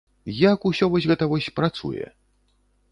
Як усё вось гэта вось працуе?